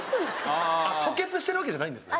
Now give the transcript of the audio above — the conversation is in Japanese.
吐血してるわけじゃないんですね。